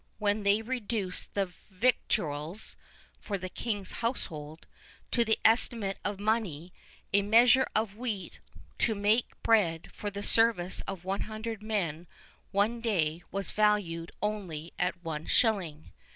when they reduced the victuals (for the king's household) to the estimate of money, a measure of wheat to make bread for the service of one hundred men, one day, was valued only at one shilling.